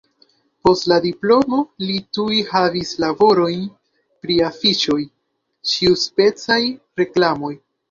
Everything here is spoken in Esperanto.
Post la diplomo li tuj havis laborojn pri afiŝoj, ĉiuspecaj reklamoj.